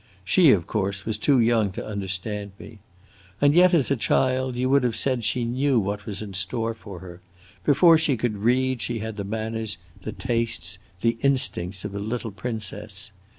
She, of course, was too young to understand me. And yet, as a child, you would have said she knew what was in store for her; before she could read, she had the manners, the tastes, the instincts of a little princess.